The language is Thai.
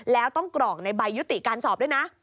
แล้วต้องกรอกในใบยุติการสอบด้วยนะ